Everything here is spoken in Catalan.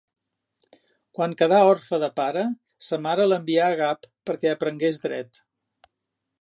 Quan quedà orfe de pare, sa mare l'envià a Gap, perquè aprengués dret.